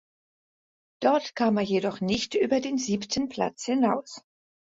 Dort kam er jedoch nicht über den siebten Platz hinaus.